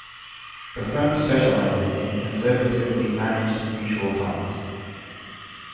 The firm specializes in conservatively managed mutual funds.